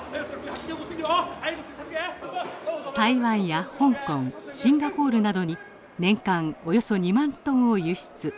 台湾や香港シンガポールなどに年間およそ２万トンを輸出。